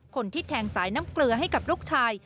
คนที่แทงสายน้ำเกลือให้กับลูกชาย